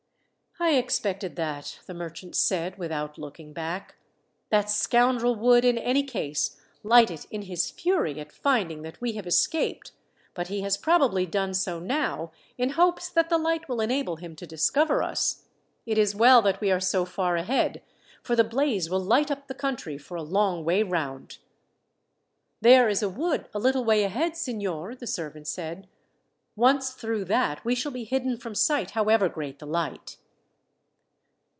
"I expected that," the merchant said, without looking back. "That scoundrel would, in any case, light it in his fury at finding that we have escaped; but he has probably done so, now, in hopes that the light will enable him to discover us. It is well that we are so far ahead, for the blaze will light up the country for a long way round." "There is a wood a little way ahead, signor," the servant said. "Once through that we shall be hidden from sight, however great the light."